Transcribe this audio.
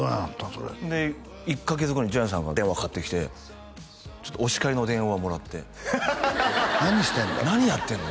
それ１カ月後にジャニーさんから電話かかってきてお叱りの電話をもらって何してんだと「何やってんの？